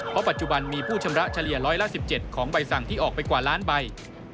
เพราะปัจจุบันมีผู้ชำระเฉลี่ยร้อยละ๑๗ของใบสั่งที่ออกไปกว่าล้านใบ